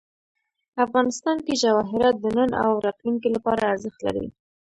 افغانستان کې جواهرات د نن او راتلونکي لپاره ارزښت لري.